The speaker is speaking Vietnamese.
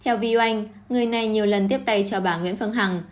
theo view anh người này nhiều lần tiếp tay cho bà nguyễn phương hằng